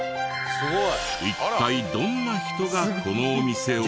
一体どんな人がこのお店を？